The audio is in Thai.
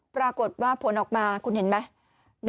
ปรากฏว่าผลออกมาคุณเห็นไหม